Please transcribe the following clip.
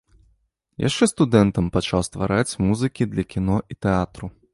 Яшчэ студэнтам пачаў ствараць музыкі для кіно і тэатру.